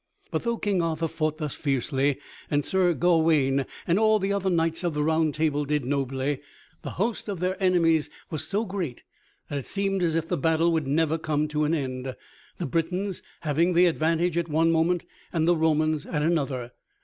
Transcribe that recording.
But though King Arthur fought thus fiercely, and Sir Gawaine and all the other knights of the Round Table did nobly, the host of their enemies was so great that it seemed as if the battle would never come to an end, the Britons having the advantage at one moment and the Romans at another.